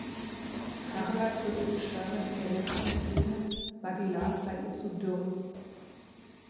Carla tröstet Sherman in der letzten Szene, Buddy Love sei ihr zu dürr.